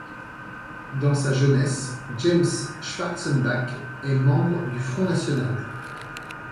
Dans sa jeunesse, James Schwarzenbach est membre du Front national.